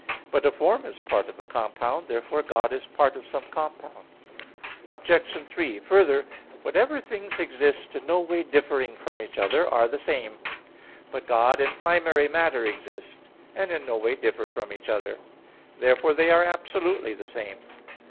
But a form is part of a compound. Therefore God is part of some compound. Obj. 3: Further, whatever things exist, in no way differing from each other, are the same. But God and primary matter exist, and in no way differ from each other. Therefore they are absolutely the same.